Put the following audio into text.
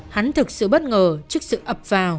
hắn thực sự bất ngờ trước sự ập vào